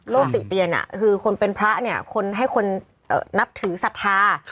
โรคติเตียนคือคนเป็นพระเนี้ยให้คนนับถือศาสตร์